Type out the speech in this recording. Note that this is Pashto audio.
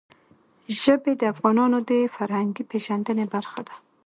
ژبې د افغانانو د فرهنګي پیژندنې برخه ده.